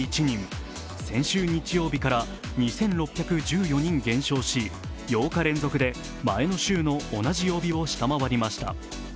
先週日曜日から２６１４人減少し、８日連続で前の週の同じ曜日を下回りました。